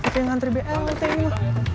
tengah antri bl tengah